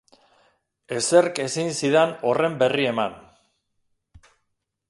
Ezerk ezin zidan horren berri eman.